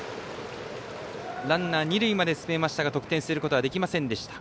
ランナー、二塁まで進めましたが得点することができませんでした。